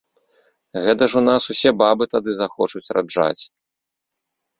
Гэта ж у нас усе бабы тады захочуць раджаць!